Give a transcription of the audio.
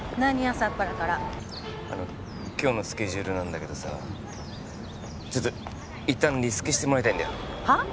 朝っぱらからあの今日のスケジュールなんだけどさちょっと一旦リスケしてもらいたいんだよはあ？